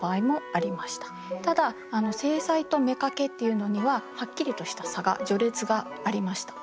ただ正妻と妾っていうのにははっきりとした差が序列がありました。